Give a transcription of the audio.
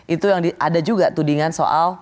itu yang ada juga tudingan soal